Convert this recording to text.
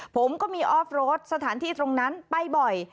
ผมก็มีออฟโรดสถานที่ตรงนั้นไปบ่อย